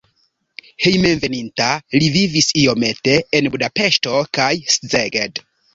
Hejmenveninta li vivis iomete en Budapeŝto kaj Szeged.